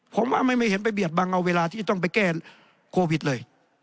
ผมว่าไม่เห็นไปเบียดบังเอาเวลาที่ต้องไปแก้โควิดเลย